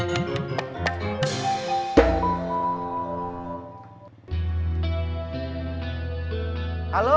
gak bisa dapet info